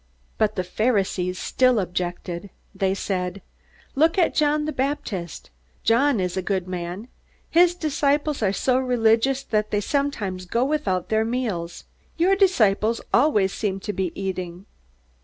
But the Pharisees still objected. They said: "Look at John the Baptist. John is a good man. His disciples are so religious that they sometimes go without their meals. Your disciples always seem to be eating!"